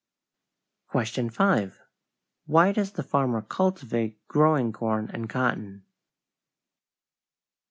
5. Why does the farmer cultivate growing corn and cotton?